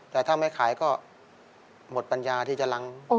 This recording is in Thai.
แต่ถ้าไม่ขายก็หมดปัญญาที่จะลัง